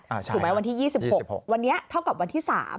ถูกไหมวันที่๒๖วันนี้เท่ากับวันที่๓